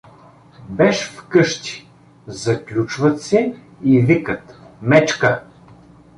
Беж в къщи, заключват се и викат: „Мечка!“